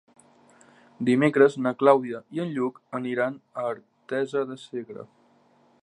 Dimecres na Clàudia i en Lluc aniran a Artesa de Segre.